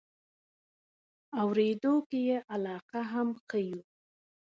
اورېدو کې یې علاقه هم ښیو.